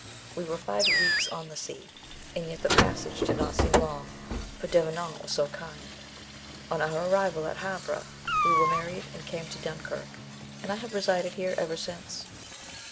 We were five weeks on the sea, and yet the passage did not seem long, for Devenant was so kind. On our arrival at Havre we were married and came to Dunkirk, and I have resided here ever since."